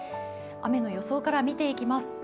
雨の予想から見ていきます。